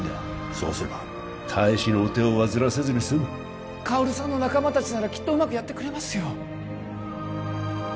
そうすれば大使のお手を煩わせずにすむ薫さんの仲間たちならきっとうまくやってくれますよ